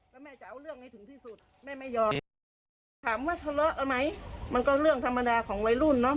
ถามว่าทะเลาะเอาไหมมันก็เรื่องธรรมดาของวัยรุ่นเนาะ